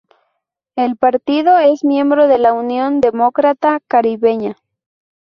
El partido es miembro de la Unión Demócrata Caribeña.